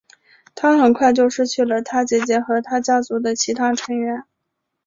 他很快就失去了他姐姐和他家族的其他成员。